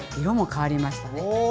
色も変わりましたね。